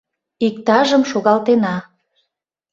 Иктажым шогалтена.